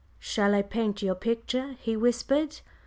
"Shall I paint your picture?" he whispered.